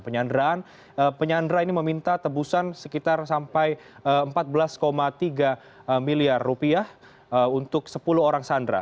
penyanderaan penyandra ini meminta tebusan sekitar sampai empat belas tiga miliar rupiah untuk sepuluh orang sandera